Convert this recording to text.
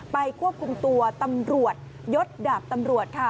ควบคุมตัวตำรวจยศดาบตำรวจค่ะ